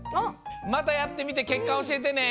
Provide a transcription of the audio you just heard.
またやってみてけっかおしえてね！